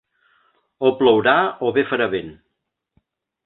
O plourà o bé farà vent.